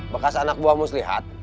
bekas anak buah mus lihat